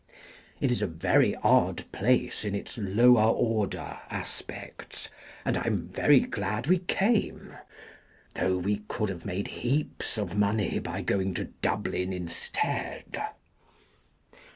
It is a very odd place in its lower order aspects, and I am very glad we came — though we could have made heaps of money by going to Dublin instead.